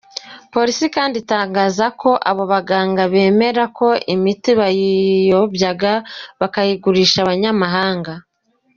Polisi kandi itangaza ko abo baganga bemera ko imiti bayiyobyaga, bakayigurisha abanyamahanga.